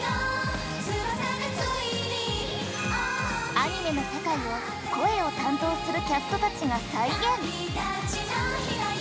アニメの世界を声を担当するキャストたちが再現。